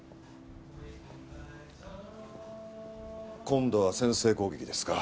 今度は先制攻撃ですか？